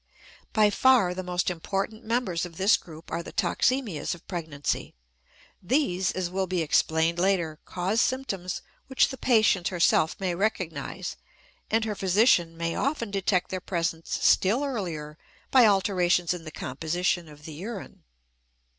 By far the most important members of this group are the toxemias of pregnancy. These, as will be explained later, cause symptoms which the patient herself may recognize, and her physician may often detect their presence still earlier by alterations in the composition of the urine.